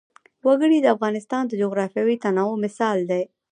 وګړي د افغانستان د جغرافیوي تنوع مثال دی.